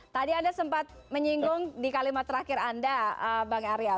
tadi anda sempat menyinggung di kalimat terakhir anda bang arya